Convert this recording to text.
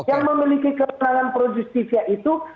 yang memiliki kewenangan projustifia itu